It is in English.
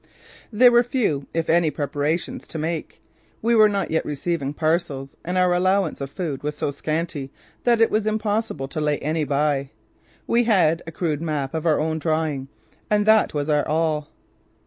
There were few if any preparations to make. We were not yet receiving parcels and our allowance of food was so scanty that it was impossible to lay any by. We had a crude map of our own drawing. And that was our all.